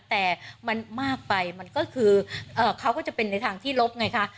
แต่มันมากไปมันก็คือเขาก็จะเป็นในทางที่ลบไงคะ